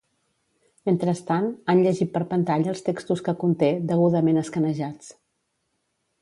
Mentrestant, han llegit per pantalla els textos que conté, degudament escanejats.